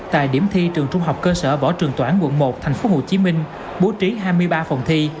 tại điểm thi trường trung học cơ sở võ trường toản quận một tp hcm bố trí hai mươi ba phòng thi